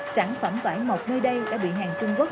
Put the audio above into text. sản phẩm vải mọc nơi đây đã bị hàng trung quốc